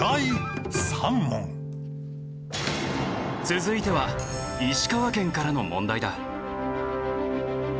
続いては石川県からの問題だ。